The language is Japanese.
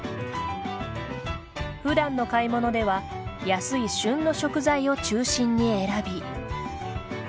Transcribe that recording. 普段の買い物では安い旬の食材を中心に選び